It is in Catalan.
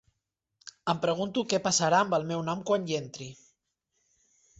Em pregunto què passarà amb el meu nom quan hi entri.